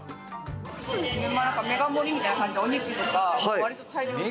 「メガ盛り」みたいな感じでお肉とか割と大量に。